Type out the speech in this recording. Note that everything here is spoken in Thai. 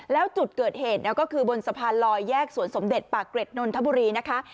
แล้วจุดเกิดเหตุก็คือบนสะพานลอยแยกสวนสมเด็จปากเกร็ดนนทบุรีนะคะ